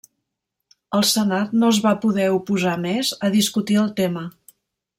El senat no es va poder oposar més a discutir el tema.